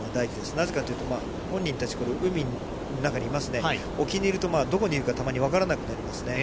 なぜかというと、本人たち、海の中にいますね、沖にいると、どこにいるか、たまに分からなくなりますね。